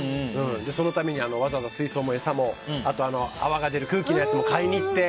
そのためにわざわざ水槽も餌もあとは泡が出る空気のやつも買いに行って。